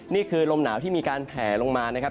นี่คือลมหนาวที่มีการแผลลงมานะครับ